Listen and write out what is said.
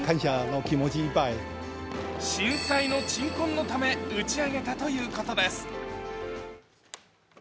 震災の鎮魂のため打ち上げたということです。